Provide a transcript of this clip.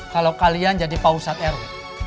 kalau kalian jadi pausat rw